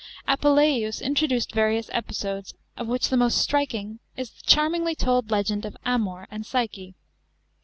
Apuleius introduced various episodes, of which the most striking is the charmingly told legend ot Amor and Psyche.